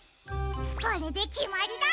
これできまりだ！